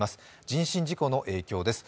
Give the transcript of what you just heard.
人身事故の影響です。